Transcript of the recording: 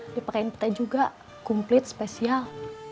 dipakein petai juga kumplit spesial